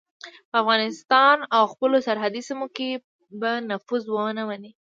په افغانستان او خپلو سرحدي سیمو کې به نفوذ ونه مني.